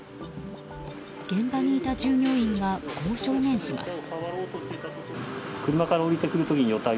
現場にいた従業員がこう証言します。